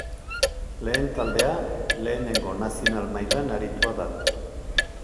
Lehen taldea Lehenengo Nazional mailan aritua da.